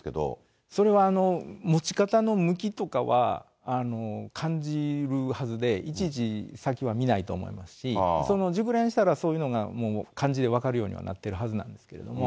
それは、持ち方の向きとかは、感じるはずで、いちいち先は見ないと思いますし、その熟練したらそういうのが感じで分かるようになってるはずなんですけども。